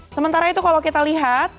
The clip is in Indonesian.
sementara itu kalau kita lihat